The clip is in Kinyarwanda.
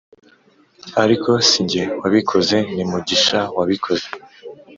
ariko sinjye wabikoze ni Mugisha wabikoze